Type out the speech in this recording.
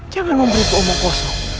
jangan membantu omong kosong